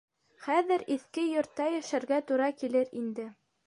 Хәҙер иҫке йортта йәшәргә тура килер инде.